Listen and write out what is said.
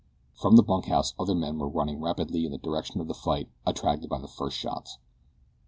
From the bunkhouse other men were running rapidly in the direction of the fight, attracted by the first shots.